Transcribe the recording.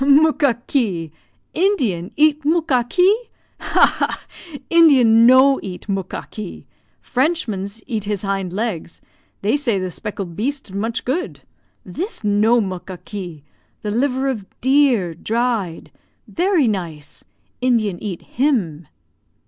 "Muckakee! Indian eat muckakee? Ha! ha! Indian no eat muckakee! Frenchmans eat his hind legs; they say the speckled beast much good. This no muckakee! the liver of deer, dried very nice Indian eat him."